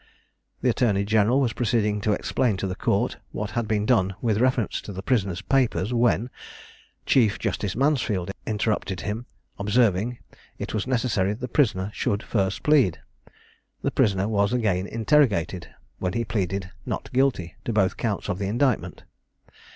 The attorney general was proceeding to explain to the court what had been done with reference to the prisoner's papers, when Chief justice Mansfield interrupted him, observing, it was necessary the prisoner should first plead. The prisoner was again interrogated, when he pleaded "Not guilty" to both counts of the indictment.